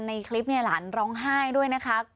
ในคลิปหลานร้องห้ายด้วยนะคะ